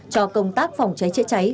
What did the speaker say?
cho công tác phòng cháy chữa cháy